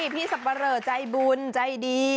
พี่สับประหล่ะใจบุญใจดี